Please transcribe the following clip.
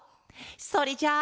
それじゃあ。